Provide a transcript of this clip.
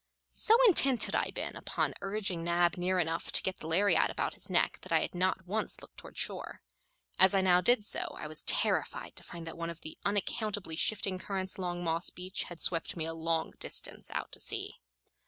So intent had I been upon urging Nab near enough to get the lariat about his neck that I had not once looked toward shore. As I now did so I was terrified to find that one of the unaccountably shifting currents along Moss Beach had swept me a long distance out to sea.